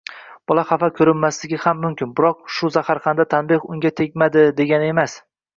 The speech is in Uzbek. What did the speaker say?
Bola xafa ko‘rinmasligi ham mumkin, biroq bu zaharxanda tanbeh unga tegmadi, degani emas.